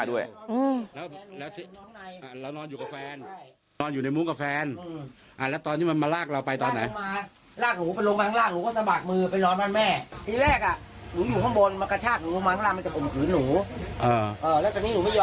ว่าจะฆ่าย่าด้วย